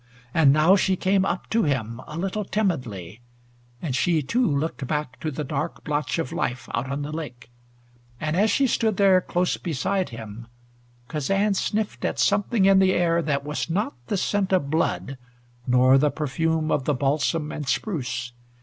And now she came up to him, a little timidly, and she, too, looked back to the dark blotch of life out on the lake. And as she stood there close beside him, Kazan sniffed at something in the air that was not the scent of blood, nor the perfume of the balsam and spruce.